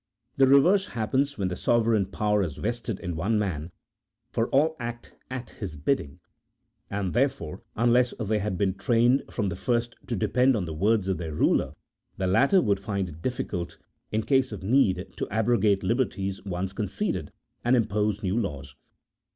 The reverse happens when the sovereign power is vested in one man, for all act at his bidding ; and, therefore, unless they had been trained from the first to depend on the words of their ruler, the latter would find it difficult, in case of need, to abrogate liberties once conceded, and impose new laws.